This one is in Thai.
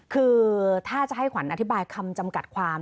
คือถ้าจะให้ขวัญอธิบายคำจำกัดความ